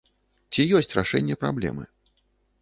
Ці ёсць рашэнне праблемы?